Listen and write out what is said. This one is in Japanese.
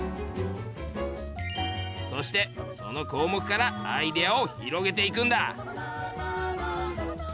そしてその項目からアイデアを広げていくんだ。